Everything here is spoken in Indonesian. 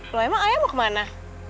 loh emang ayah mau ke mana